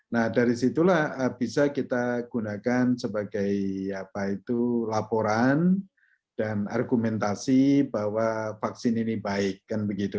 nah dari situlah bisa kita gunakan sebagai laporan dan argumentasi bahwa vaksin ini baik kan begitu